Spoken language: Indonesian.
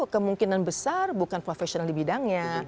kemungkinan besar bukan profesional di bidangnya